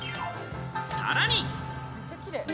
さらに。